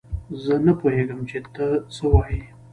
زه نه پوهېږم چې تۀ څۀ وايي.